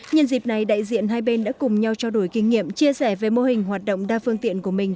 nhân dịp này đại diện hai bên đã cùng nhau trao đổi kinh nghiệm chia sẻ về mô hình hoạt động đa phương tiện của mình